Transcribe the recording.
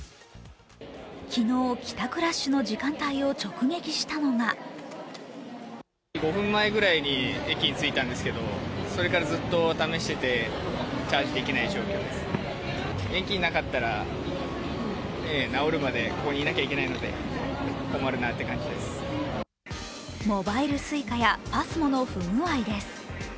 昨日、帰宅ラッシュの時間帯を直撃したのがモバイルＳｕｉｃａやＰＡＳＭＯの不具合です。